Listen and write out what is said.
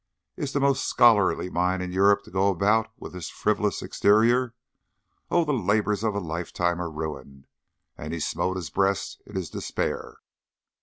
Is the most scholarly mind in Europe to go about with this frivolous exterior? Oh the labours of a lifetime are ruined!" and he smote his breast in his despair.